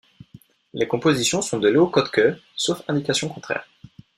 Les compositions sont de Leo Kottke, sauf indication contraire.